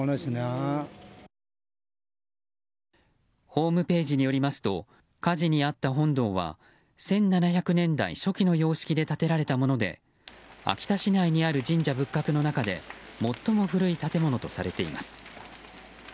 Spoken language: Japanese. ホームページによりますと火事にあった本堂は１７００年代初期の様式で建てられたもので秋田市内にある神社仏閣の中で最も古い建物とされています。